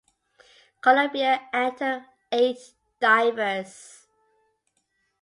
Colombia entered eight divers.